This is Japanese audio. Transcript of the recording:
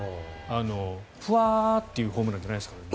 フワーッていうホームランじゃないですからね。